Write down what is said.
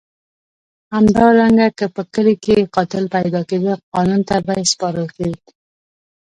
همدارنګه که په کلي کې قاتل پیدا کېده قانون ته به سپارل کېد.